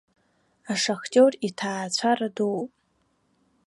Ашахтиор иҭаацәара дууп.